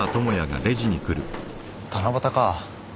七夕か。